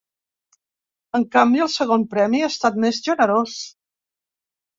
En canvi, el segon premi ha estat més generós.